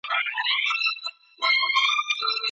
په لاس لیکلنه د ماشین پر وړاندي د انسان بریا ده.